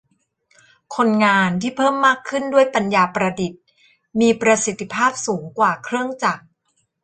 คนงานที่เพิ่มมากขึ้นด้วยปัญญาประดิษฐ์มีประสิทธิภาพสูงกว่าเครื่องจักร